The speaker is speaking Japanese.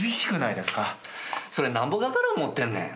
それなんぼかかる思うてんねん？